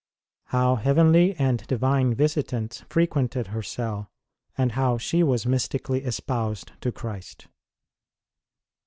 HOW HEAVENLY AND DIVINE VISITANTS FRE QUENTED HER CELL; AND HOW SHE WAS MYSTICALLY ESPOUSED TO CHRIST.